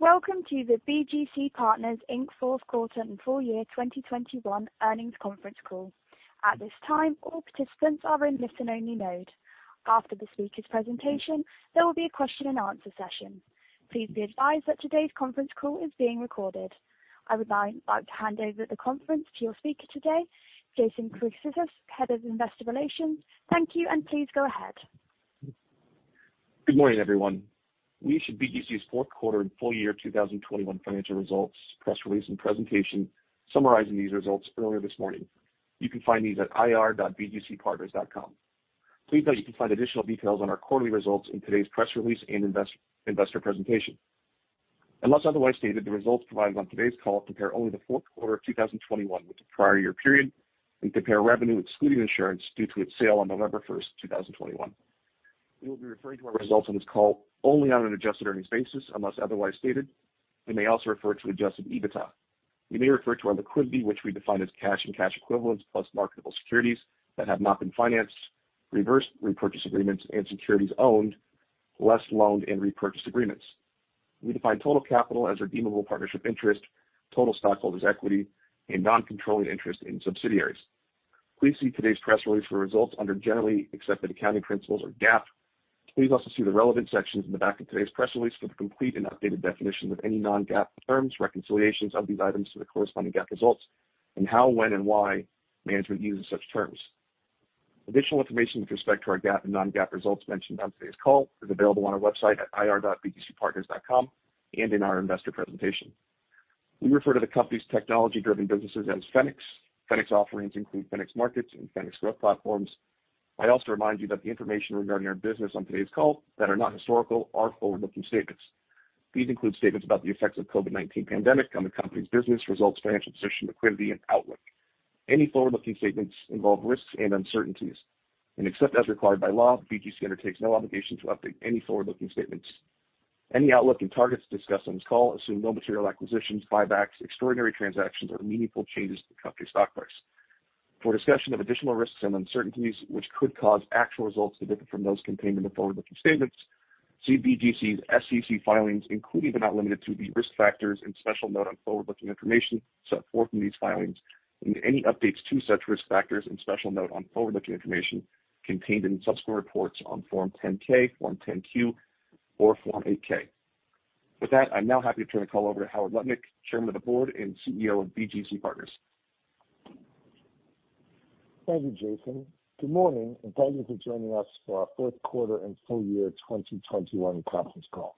Welcome to the BGC Partners, Inc. fourth quarter and full year 2021 earnings conference call. At this time, all participants are in listen-only mode. After the speaker's presentation, there will be a question-and-answer session. Please be advised that today's conference call is being recorded. I would now like to hand over the conference to your speaker today, Jason Chryssicas, Head of Investor Relations. Thank you, and please go ahead. Good morning, everyone. We issued BGC's fourth quarter and full year 2021 financial results, press release, and presentation summarizing these results earlier this morning. You can find these at ir.bgcpartners.com. Please note you can find additional details on our quarterly results in today's press release and investor presentation. Unless otherwise stated, the results provided on today's call compare only the fourth quarter of 2021 with the prior year period and compare revenue excluding insurance due to its sale on November 1, 2021. We will be referring to our results on this call only on an adjusted earnings basis, unless otherwise stated. We may also refer to adjusted EBITDA. We may refer to our liquidity, which we define as cash and cash equivalents plus marketable securities that have not been financed, reverse repurchase agreements, and securities owned, less loans and repurchase agreements. We define total capital as redeemable partnership interest, total stockholders' equity, and non-controlling interest in subsidiaries. Please see today's press release for results under generally accepted accounting principles or GAAP. Please also see the relevant sections in the back of today's press release for the complete and updated definition of any non-GAAP terms, reconciliations of these items to the corresponding GAAP results, and how, when, and why management uses such terms. Additional information with respect to our GAAP and non-GAAP results mentioned on today's call is available on our website at ir.bgcpartners.com and in our investor presentation. We refer to the company's technology-driven businesses as Fenics. Fenics offerings include Fenics Markets and Fenics Growth Platforms. I also remind you that the information regarding our business on today's call that are not historical are forward-looking statements. These include statements about the effects of COVID-19 pandemic on the company's business results, financial position, liquidity, and outlook. Any forward-looking statements involve risks and uncertainties, and except as required by law, BGC undertakes no obligation to update any forward-looking statements. Any outlook and targets discussed on this call assume no material acquisitions, buybacks, extraordinary transactions, or meaningful changes to the company's stock price. For discussion of additional risks and uncertainties which could cause actual results to differ from those contained in the forward-looking statements, see BGC's SEC filings, including but not limited to the Risk Factors and Special Note on Forward-Looking Information set forth in these filings and any updates to such Risk Factors and Special Note on Forward-Looking Information contained in subsequent reports on Form 10-K, Form 10-Q or Form 8-K. With that, I'm now happy to turn the call over to Howard Lutnick, Chairman of the Board and CEO of BGC Partners. Thank you, Jason. Good morning, and thank you for joining us for our fourth quarter and full year 2021 conference call.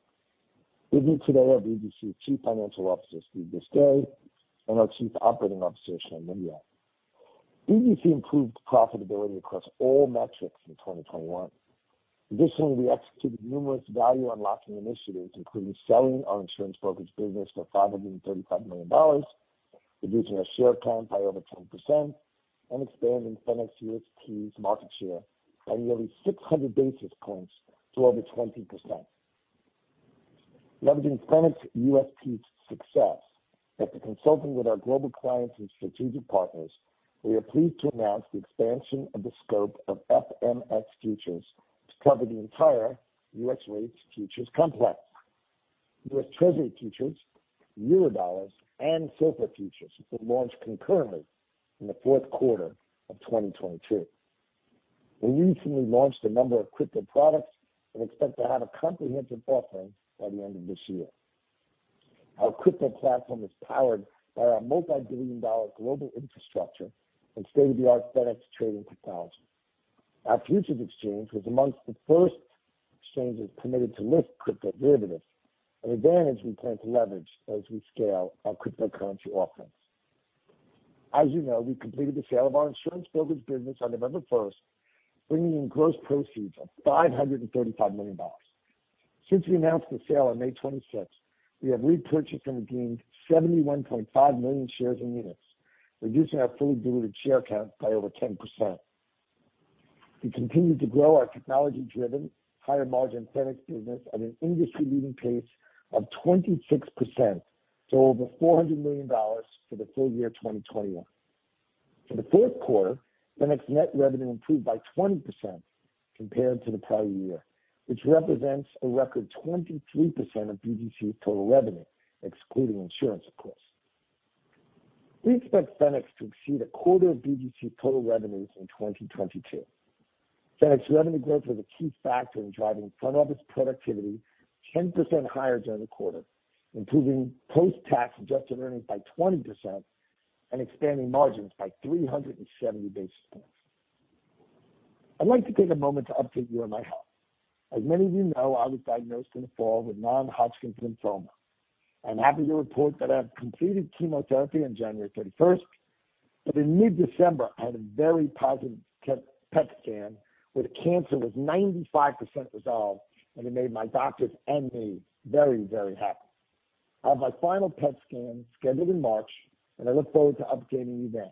With me today are BGC's Chief Financial Officer, Steve Bisgay, and our Chief Operating Officer, Sean Windeatt. BGC improved profitability across all metrics in 2021. Additionally, we executed numerous value-unlocking initiatives, including selling our insurance brokerage business for $535 million, reducing our share count by over 10%, and expanding Fenics UST's market share by nearly 600 basis points to over 20%. Leveraging Fenics UST's success after consulting with our global clients and strategic partners, we are pleased to announce the expansion of the scope of FMX Futures to cover the entire U.S. rates futures complex. U.S. Treasury futures, Eurodollar, and SOFR futures will launch concurrently in the fourth quarter of 2022. We recently launched a number of crypto products and expect to have a comprehensive offering by the end of this year. Our crypto platform is powered by our multi-billion dollar global infrastructure and state-of-the-art Fenics trading technology. Our futures exchange was among the first exchanges permitted to list crypto derivatives, an advantage we plan to leverage as we scale our cryptocurrency offerings. As you know, we completed the sale of our insurance brokerage business on November 1, bringing in gross proceeds of $535 million. Since we announced the sale on May 26, we have repurchased and redeemed 71.5 million shares and units, reducing our fully diluted share count by over 10%. We continue to grow our technology-driven, higher-margin Fenics business at an industry-leading pace of 26% to over $400 million for the full year 2021. For the fourth quarter, Fenics net revenue improved by 20% compared to the prior year, which represents a record 23% of BGC's total revenue, excluding insurance, of course. We expect Fenics to exceed a quarter of BGC total revenues in 2022. Fenics revenue growth was a key factor in driving front office productivity 10% higher during the quarter, improving post-tax adjusted earnings by 20% and expanding margins by 370 basis points. I'd like to take a moment to update you on my health. As many of you know, I was diagnosed in the fall with non-Hodgkin's lymphoma. I'm happy to report that I have completed chemotherapy on January 31, but in mid-December, I had a very positive PET scan where the cancer was 95% resolved, and it made my doctors and me very, very happy. I have my final PET scan scheduled in March, and I look forward to updating you then.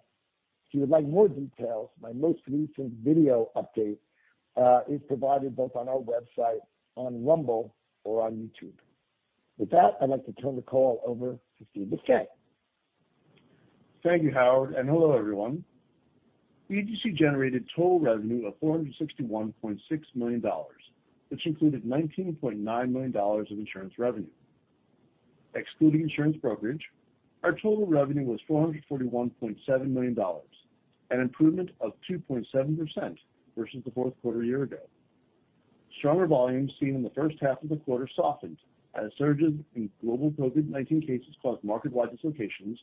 If you would like more details, my most recent video update is provided both on our website, on Rumble or on YouTube. With that, I'd like to turn the call over to Steve Bisgay. Thank you, Howard, and hello, everyone. BGC generated total revenue of $461.6 million, which included $19.9 million of insurance revenue. Excluding insurance brokerage, our total revenue was $441.7 million, an improvement of 2.7% versus the fourth quarter a year ago. Stronger volumes seen in the first half of the quarter softened as a surge in global COVID-19 cases caused market-wide dislocations,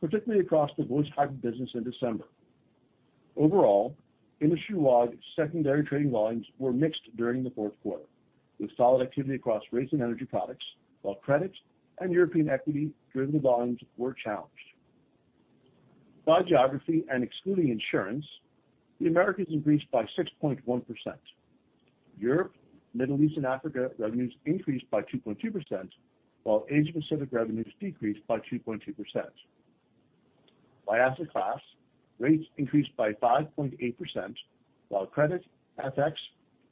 particularly across the voice-hybrid business in December. Overall, industry-wide secondary trading volumes were mixed during the fourth quarter, with solid activity across rates and energy products, while credits and European equity-driven volumes were challenged. By geography and excluding insurance, the Americas increased by 6.1%. Europe, Middle East, and Africa revenues increased by 2.2%, while Asia-Pacific revenues decreased by 2.2%. By asset class, rates increased by 5.8%, while credit, FX,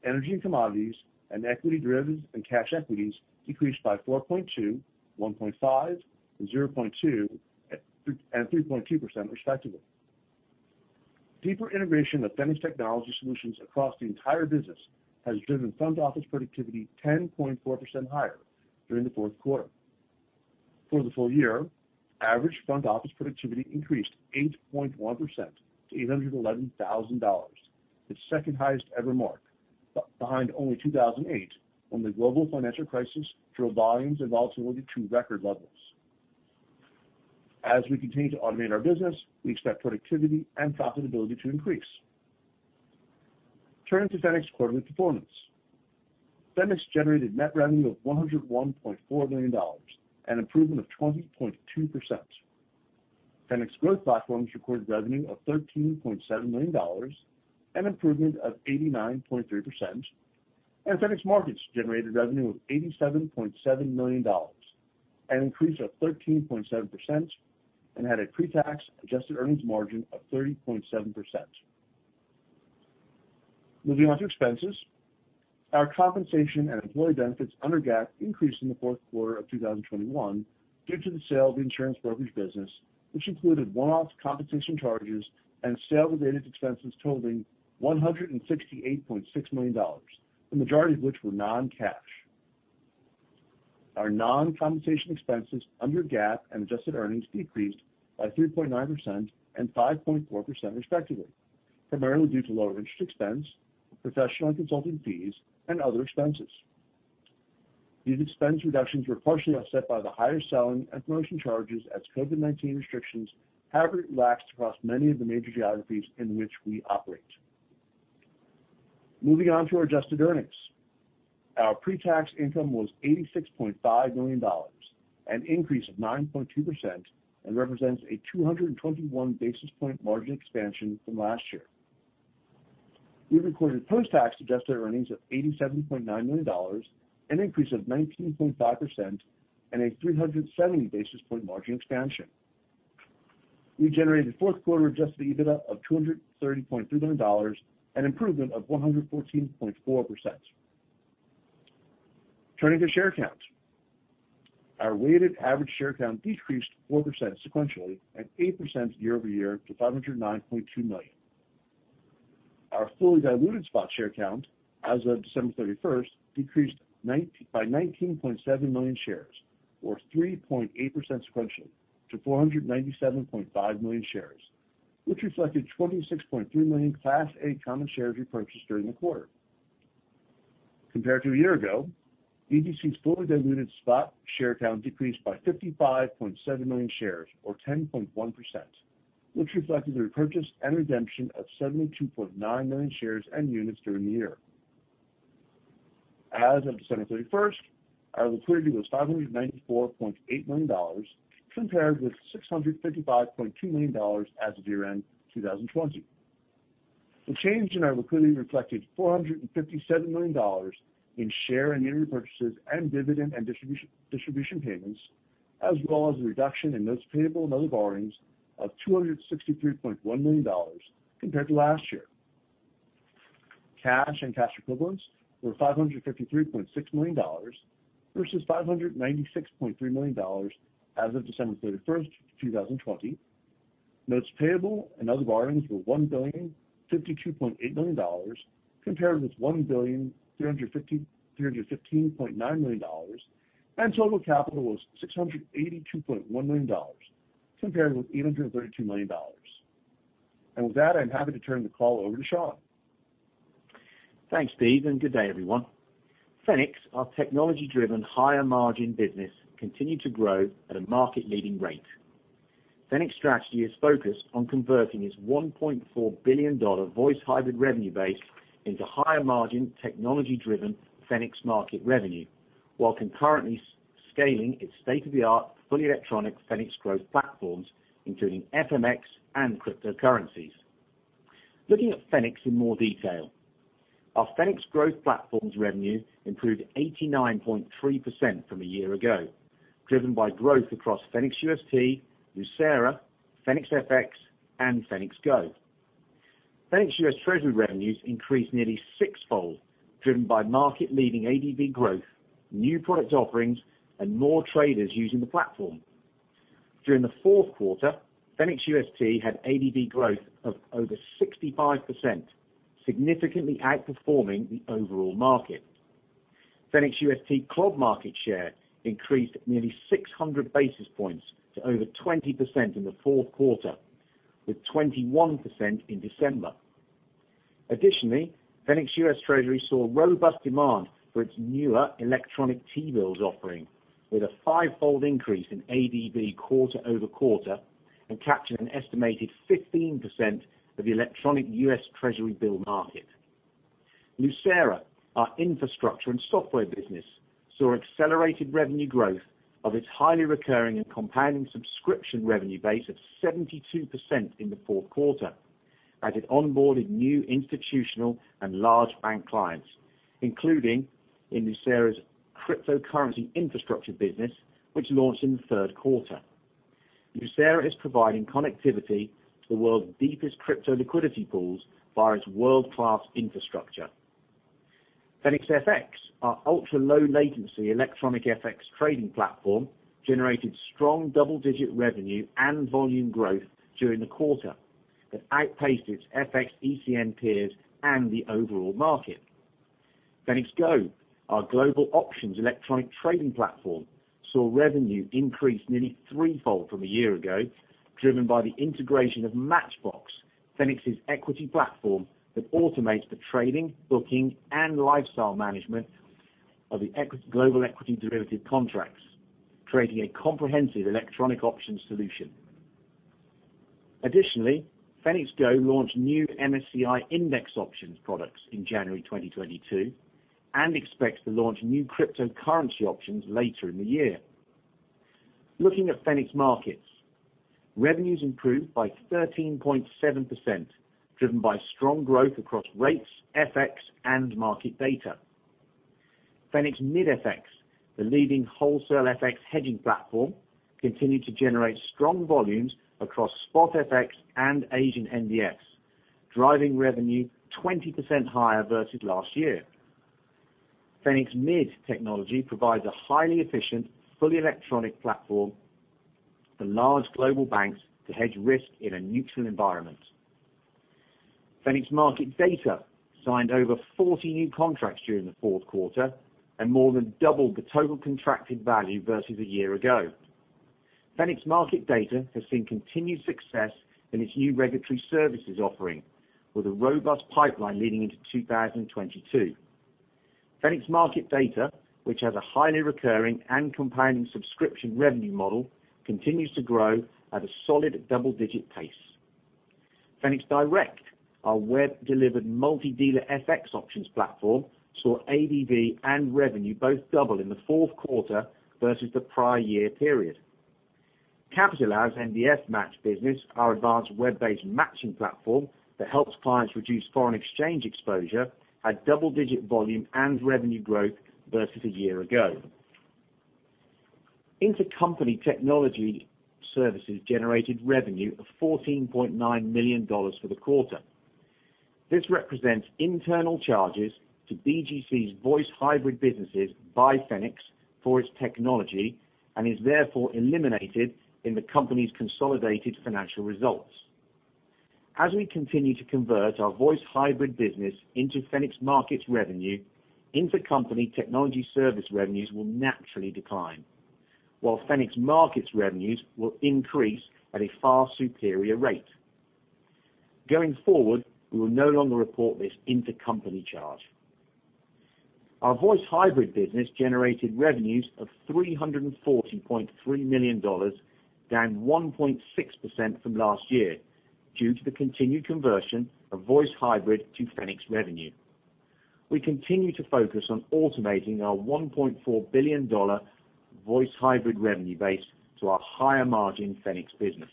energy and commodities, and equity derivatives and cash equities decreased by 4.2%, 1.5%, and 0.2% and 3.2%, respectively. Deeper integration of Fenics technology solutions across the entire business has driven front office productivity 10.4% higher during the fourth quarter. For the full year, average front office productivity increased 8.1% to $811,000, its second-highest-ever mark behind only 2008 when the global financial crisis drove volumes and volatility to record levels. As we continue to automate our business, we expect productivity and profitability to increase. Turning to Fenics' quarterly performance. Fenics generated net revenue of $101.4 million, an improvement of 20.2%. Fenics Growth Platforms recorded revenue of $13.7 million, an improvement of 89.3%, and Fenics Markets generated revenue of $87.7 million, an increase of 13.7%, and had a pre-tax adjusted earnings margin of 30.7%. Moving on to expenses. Our compensation and employee benefits under GAAP increased in the fourth quarter of 2021 due to the sale of the insurance brokerage business, which included one-off compensation charges and sale-related expenses totaling $168.6 million, the majority of which were non-cash. Our non-compensation expenses under GAAP and adjusted earnings decreased by 3.9% and 5.4% respectively, primarily due to lower interest expense, professional and consulting fees, and other expenses. These expense reductions were partially offset by the higher selling and promotion charges as COVID-19 restrictions have relaxed across many of the major geographies in which we operate. Moving on to our adjusted earnings. Our pre-tax income was $86.5 million, an increase of 9.2%, and represents a 221 basis point margin expansion from last year. We recorded post-tax adjusted earnings of $87.9 million, an increase of 19.5%, and a 370 basis point margin expansion. We generated fourth quarter adjusted EBITDA of $230.3 million, an improvement of 114.4%. Turning to share count. Our weighted average share count decreased 4% sequentially and 8% year-over-year to 509.2 million. Our fully diluted spot share count as of December 31 decreased by 19.7 million shares, or 3.8% sequentially, to 497.5 million shares, which reflected 26.3 million Class A common shares repurchased during the quarter. Compared to a year ago, BGC's fully diluted spot share count decreased by 55.7 million shares, or 10.1%, which reflected the repurchase and redemption of 72.9 million shares and units during the year. As of December 31, our liquidity was $594.8 million compared with $655.2 million as of year-end 2020. The change in our liquidity reflected $457 million in share and unit repurchases and dividend and distribution payments, as well as a reduction in notes payable and other borrowings of $263.1 million compared to last year. Cash and cash equivalents were $553.6 million versus $596.3 million as of December 31, 2020. Notes payable and other borrowings were $1,052.8 million compared with $1,315.9 million, and total capital was $682.1 million compared with $832 million. With that, I'm happy to turn the call over to Sean. Thanks, Steve, and good day, everyone. Fenics, our technology-driven higher margin business, continued to grow at a market-leading rate. Fenics' strategy is focused on converting its $1.4 billion voice hybrid revenue base into higher-margin, technology-driven Fenics market revenue while concurrently scaling its state-of-the-art fully electronic Fenics Growth Platforms, including FMX and cryptocurrencies. Looking at Fenics in more detail. Our Fenics Growth Platforms revenue improved 89.3% from a year ago, driven by growth across Fenics UST, Lucera, Fenics FX, and Fenics GO. Fenics UST revenues increased nearly sixfold, driven by market-leading ADB growth, new product offerings, and more traders using the platform. During the fourth quarter, Fenics UST had ADB growth of over 65%, significantly outperforming the overall market. Fenics UST global market share increased nearly 600 basis points to over 20% in the fourth quarter, with 21% in December. Additionally, Fenics U.S. Treasury saw robust demand for its newer electronic T-bills offering with a fivefold increase in ADB quarter-over-quarter and captured an estimated 15% of the electronic U.S. Treasury bill market. Lucera, our infrastructure and software business, saw accelerated revenue growth of its highly recurring and compounding subscription revenue base of 72% in the fourth quarter, as it onboarded new institutional and large bank clients, including in Lucera's cryptocurrency infrastructure business, which launched in the third quarter. Lucera is providing connectivity to the world's deepest crypto liquidity pools via its world-class infrastructure. Fenics FX, our ultra-low latency electronic FX trading platform, generated strong double-digit revenue and volume growth during the quarter that outpaced its FX ECN peers and the overall market. Fenics GO, our global options electronic trading platform, saw revenue increase nearly threefold from a year ago, driven by the integration of Matchbox, Fenics's equity platform that automates the trading, booking, and lifecycle management of the global equity derivative contracts, creating a comprehensive electronic options solution. Additionally, Fenics GO launched new MSCI index options products in January 2022 and expects to launch new cryptocurrency options later in the year. Looking at Fenics Markets, revenues improved by 13.7%, driven by strong growth across rates, FX, and market data. Fenics MID FX, the leading wholesale FX hedging platform, continued to generate strong volumes across Spot FX and Asian NDF, driving revenue 20% higher versus last year. Fenics MID technology provides a highly efficient, fully electronic platform for large global banks to hedge risk in a neutral environment. Fenics Market Data signed over 40 new contracts during the fourth quarter and more than doubled the total contracted value versus a year ago. Fenics Market Data has seen continued success in its new regulatory services offering, with a robust pipeline leading into 2022. Fenics Market Data, which has a highly recurring and compounding subscription revenue model, continues to grow at a solid double-digit pace. Fenics Direct, our web-delivered multi-dealer FX options platform, saw ADB and revenue both double in the fourth quarter versus the prior year period. [inaudible] NDF Match business, our advanced web-based matching platform that helps clients reduce foreign exchange exposure, saw double-digit volume and revenue growth versus a year ago. Intercompany technology services generated revenue of $14.9 million for the quarter. This represents internal charges to BGC's voice hybrid businesses by Fenics for its technology and is therefore eliminated in the company's consolidated financial results. As we continue to convert our voice hybrid business into Fenics Markets revenue, intercompany technology service revenues will naturally decline, while Fenics Markets revenues will increase at a far superior rate. Going forward, we will no longer report this intercompany charge. Our voice hybrid business generated revenues of $340.3 million, down 1.6% from last year due to the continued conversion of voice hybrid to Fenics revenue. We continue to focus on automating our $1.4 billion voice hybrid revenue base to our higher-margin Fenics business.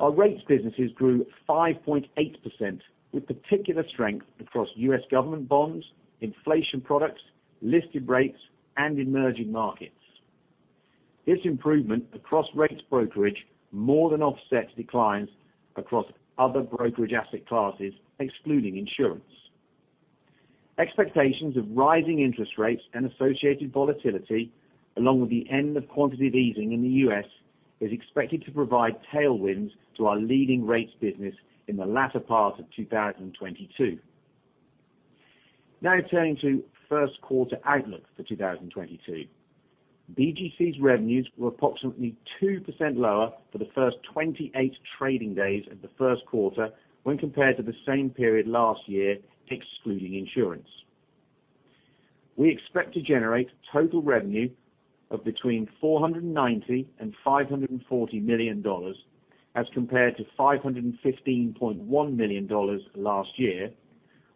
Our rates businesses grew 5.8%, with particular strength across U.S. government bonds, inflation products, listed rates, and emerging markets. This improvement across rates brokerage more than offsets declines across other brokerage asset classes, excluding insurance. Expectations of rising interest rates and associated volatility, along with the end of quantitative easing in the U.S., is expected to provide tailwinds to our leading rates business in the latter part of 2022. Now turning to first quarter outlook for 2022. BGC's revenues were approximately 2% lower for the first 28 trading days of the first quarter when compared to the same period last year, excluding insurance. We expect to generate total revenue of between $490 million and $540 million as compared to $515.1 million last year,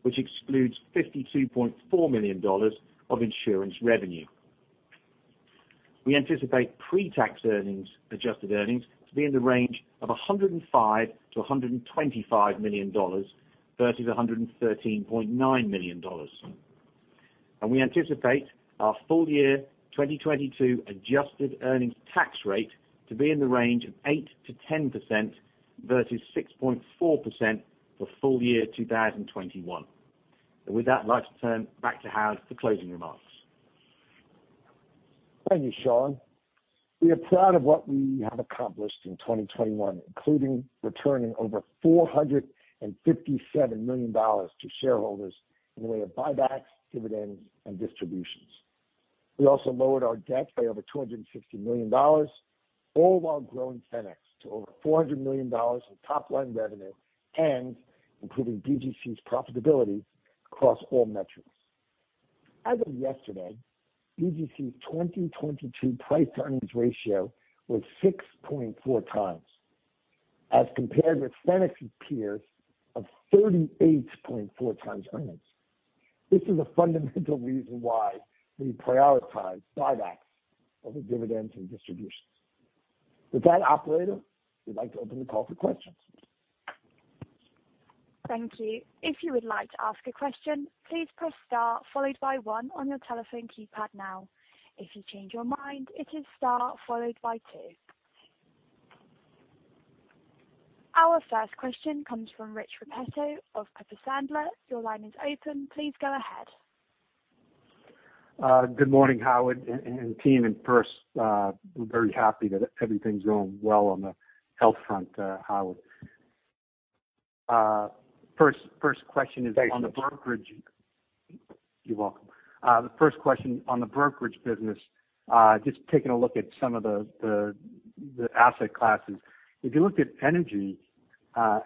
which excludes $52.4 million of insurance revenue. We anticipate pre-tax earnings, adjusted earnings, to be in the range of $105 million-$125 million versus $113.9 million. We anticipate our full year 2022 adjusted earnings tax rate to be in the range of 8%-10% versus 6.4% for full year 2021. With that, I'd like to turn back to Howard for closing remarks. Thank you, Sean. We are proud of what we have accomplished in 2021, including returning over $457 million to shareholders in the way of buybacks, dividends and distributions. We also lowered our debt by over $260 million, all while growing Fenics to over $400 million in top line revenue and improving BGC's profitability across all metrics. As of yesterday, BGC's 2022 price earnings ratio was 6.4 times as compared with Fenics peers of 38.4 times earnings. This is a fundamental reason why we prioritize buybacks over dividends and distributions. With that, operator, we'd like to open the call for questions. Thank you. If you would like to ask a question, please press star followed by one on your telephone keypad now. If you change your mind, it is star followed by two. Our first question comes from Rich Repetto of Piper Sandler. Your line is open. Please go ahead. Good morning, Howard and team. First, we're very happy that everything's going well on the health front, Howard. First question is- Thanks. On the brokerage. You're welcome. The first question on the brokerage business, just taking a look at some of the asset classes. If you look at energy,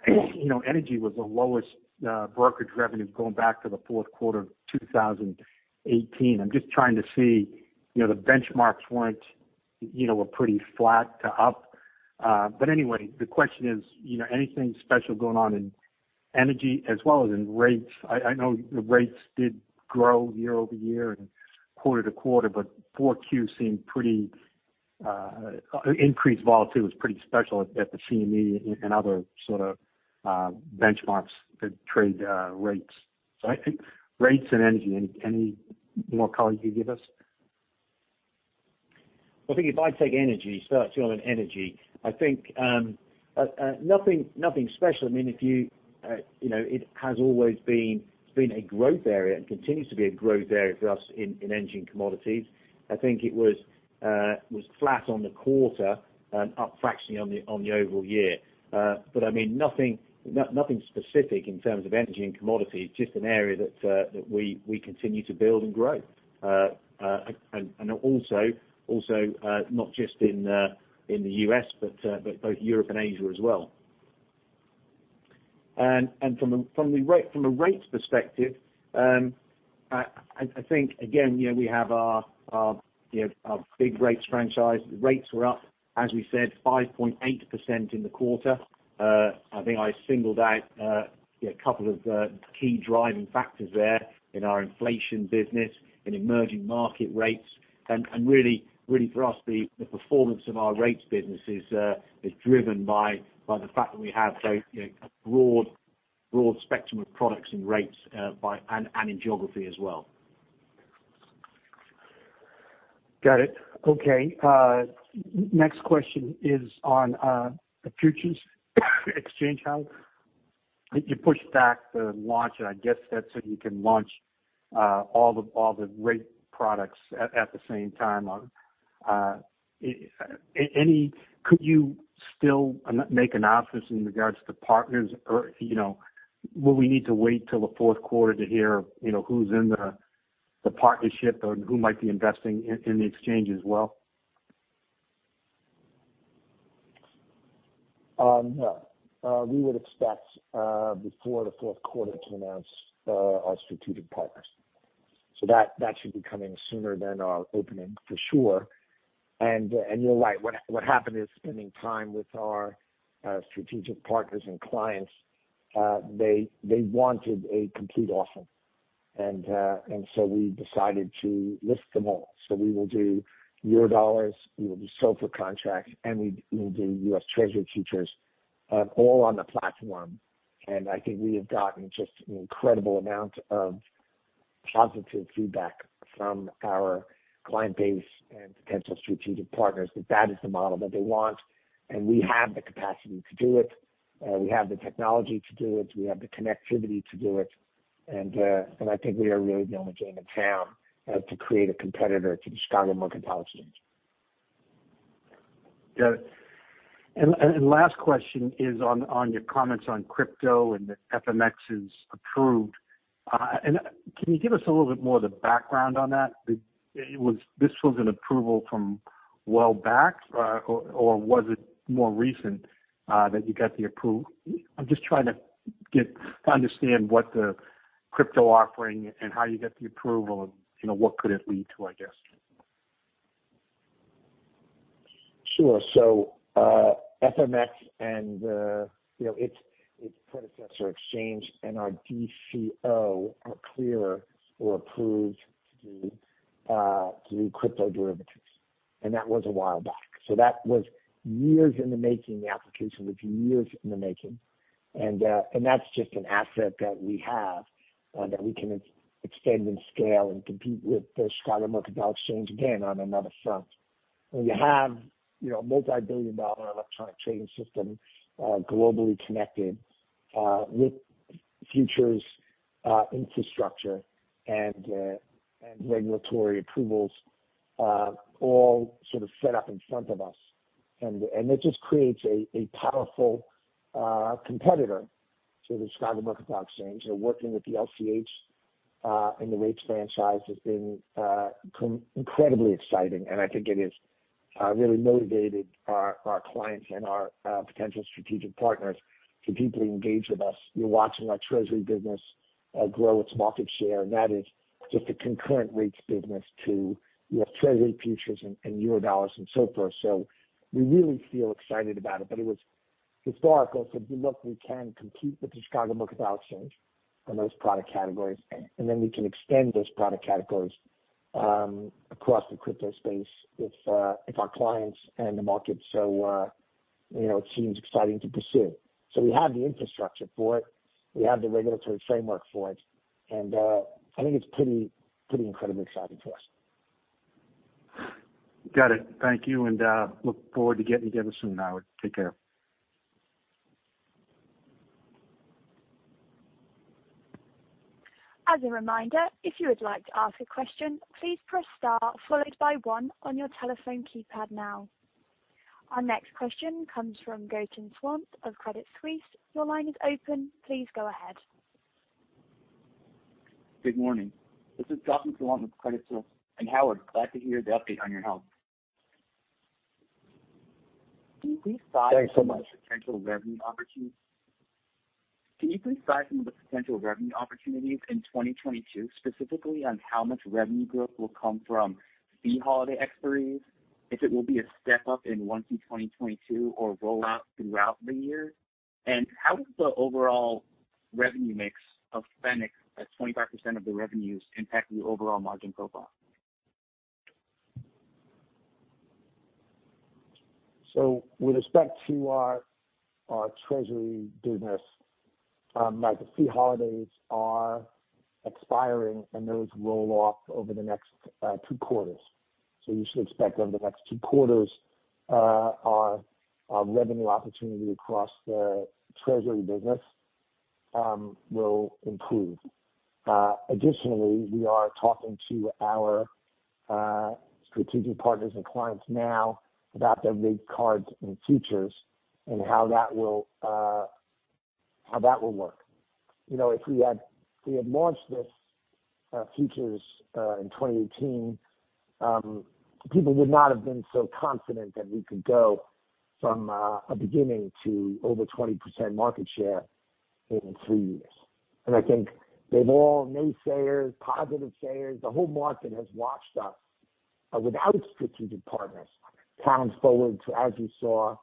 you know, energy was the lowest brokerage revenues going back to the fourth quarter of 2018. I'm just trying to see, you know, the benchmarks were pretty flat to up. Anyway, the question is, you know, anything special going on in energy as well as in rates? I know rates did grow year-over-year and quarter-to-quarter, but Q4 seemed pretty. Increased volatility was pretty special at the CME and other sort of benchmarks that trade rates. I think rates and energy, any more color you can give us? I think if I take energy, start you on energy, I think nothing special. I mean, if you know, it has always been a growth area and continues to be a growth area for us in energy and commodities. I think it was flat on the quarter, up fractionally on the overall year. But I mean nothing specific in terms of energy and commodities, just an area that we continue to build and grow. Also, not just in the U.S., but both Europe and Asia as well. From a rates perspective, I think again, you know, we have our big rates franchise. Rates were up, as we said, 5.8% in the quarter. I think I singled out, you know, a couple of key driving factors there in our inflation business, in emerging market rates. Really for us, the performance of our rates business is driven by the fact that we have, you know, a broad spectrum of products and rates, by and in geography as well. Got it. Okay. Next question is on the futures exchange, Howard. You pushed back the launch, and I guess that's so you can launch all the rate products at the same time. Could you still make an announcement in regards to partners? Or, you know, will we need to wait till the fourth quarter to hear, you know, who's in the partnership or who might be investing in the exchange as well? No. We would expect before the fourth quarter to announce our strategic partners. That should be coming sooner than our opening for sure. You're right. What happened is, spending time with our strategic partners and clients, they wanted a complete offering. We decided to list them all. We will do Eurodollar, we will do SOFR contracts, and we will do U.S. Treasury futures all on the platform. I think we have gotten just an incredible amount of positive feedback from our client base and potential strategic partners, that is the model that they want, and we have the capacity to do it. We have the technology to do it. We have the connectivity to do it. I think we are really the only game in town to create a competitor to the Chicago Mercantile Exchange. Got it. Last question is on your comments on crypto and the FMX is approved. Can you give us a little bit more of the background on that? This was an approval from well back, or was it more recent, that you got the approval. I'm just trying to understand what the crypto offering and how you get the approval and, you know, what could it lead to, I guess. Sure. FMX and, you know, its predecessor exchange and our DCO are cleared or approved to do crypto derivatives. That was a while back. That was years in the making, the application was years in the making. That's just an asset that we have that we can extend and scale and compete with the Chicago Mercantile Exchange again on another front. When you have, you know, a multi-billion dollar electronic trading system, globally connected, with futures infrastructure and regulatory approvals, all sort of set up in front of us. It just creates a powerful competitor to the Chicago Mercantile Exchange. Working with the LCH and the rates franchise has been incredibly exciting, and I think it has really motivated our clients and our potential strategic partners to deeply engage with us. You're watching our treasury business grow its market share, and that is just a concurrent rates business to your treasury futures and Eurodollars and so forth. We really feel excited about it. But historically, we said, "Look, we can compete with the Chicago Mercantile Exchange on those product categories, and then we can extend those product categories across the crypto space with our clients and the market, so you know, it seems exciting to pursue." We have the infrastructure for it, we have the regulatory framework for it, and I think it's pretty incredibly exciting for us. Got it. Thank you, and look forward to getting together soon, Howard. Take care. As a reminder, if you would like to ask a question, please press star followed by one on your telephone keypad now. Our next question comes from Gautam Sawant of Credit Suisse. Your line is open. Please go ahead. Good morning. This is Gautam Sawant with Credit Suisse. Howard, glad to hear the update on your health. Thanks so much. Can you please size some of the potential revenue opportunities in 2022, specifically on how much revenue growth will come from fee holiday expiries, if it will be a step up in Q1 2022 or roll out throughout the year? How is the overall revenue mix of Fenics at 25% of the revenues impact the overall margin profile? With respect to our treasury business, like the fee holidays are expiring and those roll off over the next two quarters. You should expect over the next two quarters, our revenue opportunity across the treasury business will improve. Additionally, we are talking to our strategic partners and clients now about their rate cards and futures and how that will work. You know, if we had launched this futures in 2018, people would not have been so confident that we could go from a beginning to over 20% market share in three years. I think they're all naysayers, yea-sayers, the whole market has watched us with our strategic partners moving forward, as you saw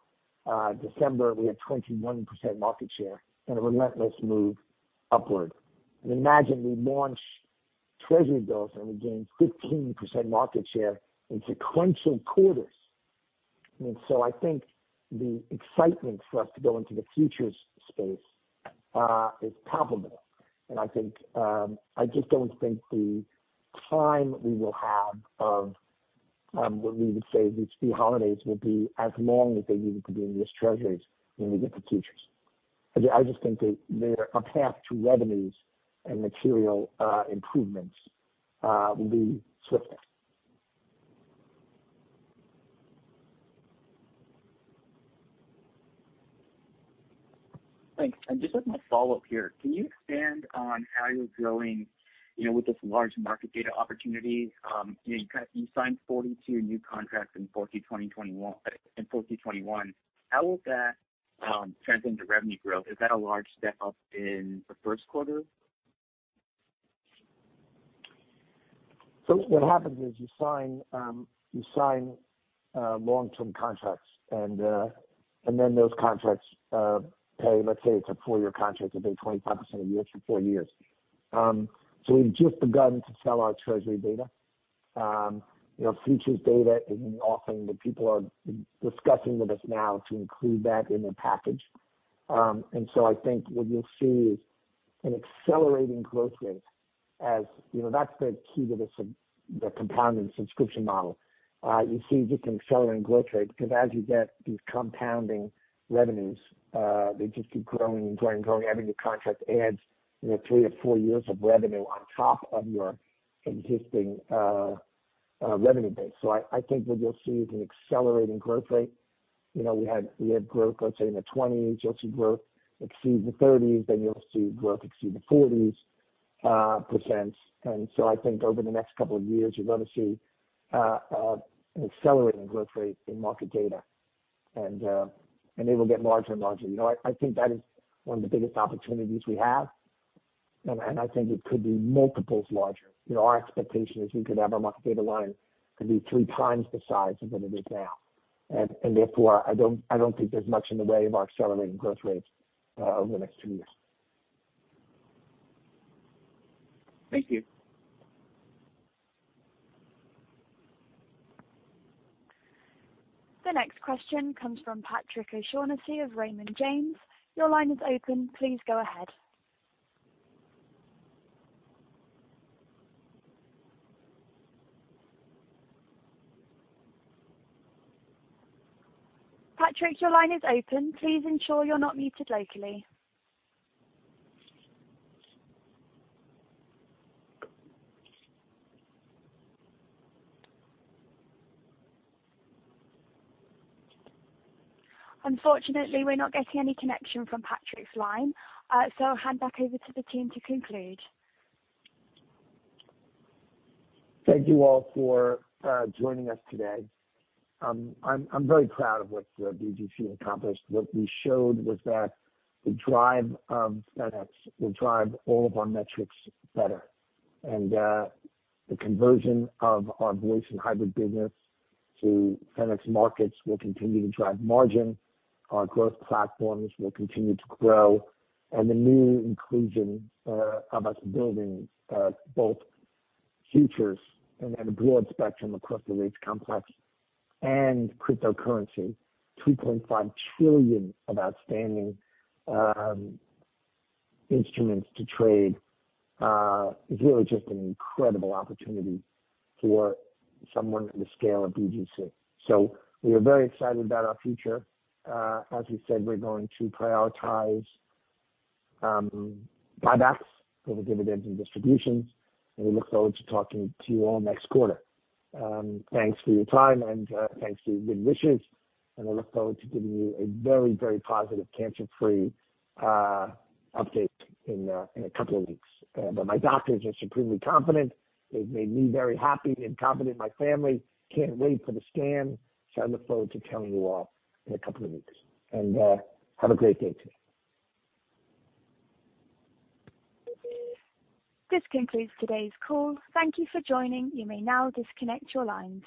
in December, we had 21% market share and a relentless move upward. Imagine we launch treasury bills and we gain 15% market share in sequential quarters. I think the excitement for us to go into the futures space is palpable. I think I just don't think the time we will have of what we would say these fee holidays will be as long as they needed to be in these treasuries when we get to futures. I just think that our path to revenues and material improvements will be swifter. Thanks. Just as my follow-up here, can you expand on how you're growing, you know, with this large market data opportunity? You signed 42 new contracts in Q4 2021. How will that translate into revenue growth? Is that a large step up in the first quarter? What happens is you sign long-term contracts, and then those contracts pay. Let's say it's a four-year contract, they pay 25% a year for four years. We've just begun to sell our Treasury data. You know, futures data is an offering that people are discussing with us now to include that in their package. I think what you'll see is an accelerating growth rate. As you know, that's the key to the compounding subscription model. You see just an accelerating growth rate because as you get these compounding revenues, they just keep growing and growing and growing. Every new contract adds, you know, three or four years of revenue on top of your existing revenue base. I think what you'll see is an accelerating growth rate. You know, we had growth, let's say, in the 20%s. You'll see growth exceed the 30%s, then you'll see growth exceed the 40%s. I think over the next couple of years, you're gonna see an accelerating growth rate in market data. It will get larger and larger. You know, I think that is one of the biggest opportunities we have. I think it could be multiples larger. You know, our expectation is our market data line could be three times the size of what it is now. Therefore, I don't think there's much in the way of our accelerating growth rates over the next two years. Thank you. The next question comes from Patrick O'Shaughnessy of Raymond James. Your line is open. Please go ahead. Patrick, your line is open. Please ensure you're not muted locally. Unfortunately, we're not getting any connection from Patrick's line, so I'll hand back over to the team to conclude. Thank you all for joining us today. I'm very proud of what BGC accomplished. What we showed was that the drive of Fenics will drive all of our metrics better. The conversion of our voice and hybrid business to Fenics Markets will continue to drive margin. Our growth platforms will continue to grow. The new inclusion of us building both futures and a broad spectrum across the rates complex and cryptocurrency, $2.5 trillion of outstanding instruments to trade is really just an incredible opportunity for someone at the scale of BGC. We are very excited about our future. As we said, we're going to prioritize buybacks over dividends and distributions, and we look forward to talking to you all next quarter. Thanks for your time and thanks for your good wishes, and I look forward to giving you a very, very positive cancer-free update in a couple of weeks. But my doctors are supremely confident. They've made me very happy. They're confident in my family. Can't wait for the scan. I look forward to telling you all in a couple of weeks. Have a great day too. This concludes today's call. Thank you for joining. You may now disconnect your lines.